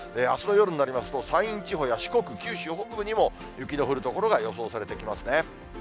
あすの夜になりますと、山陰地方や四国、九州北部にも、雪の降る所が予想されてきますね。